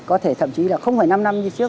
có thể thậm chí là không phải năm năm như trước